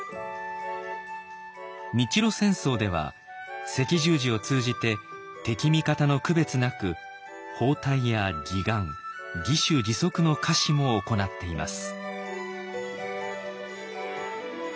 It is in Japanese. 日露戦争では赤十字を通じて敵味方の区別なく包帯や義眼義手・義足の下賜も行っています。